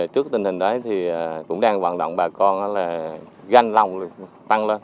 trước tình hình đấy thì cũng đang vận động bà con là ganh lòng tăng lên